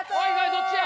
どっちや？